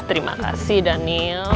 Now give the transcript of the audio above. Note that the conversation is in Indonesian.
terima kasih daniel